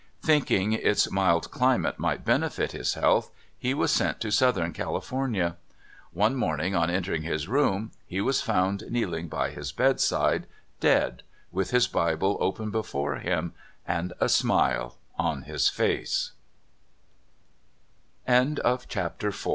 Thinking its mild climate might benefit his health, he was sent to Southern California. One morning on entering his room, he was found kneeling by his bedside dead, with his Bible open before him, and